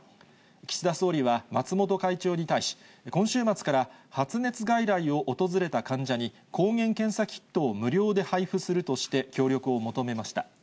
岸田総理は、松本会長に対し、今週末から発熱外来を訪れた患者に、抗原検査キットを無料で配布するとして、協力を求めました。